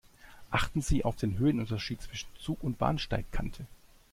Achten Sie auf den Höhenunterschied zwischen Zug und Bahnsteigkante.